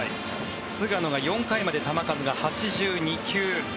菅野が４回まで球数が８２球。